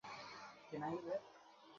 Positive নিউজেও কাজ হয়।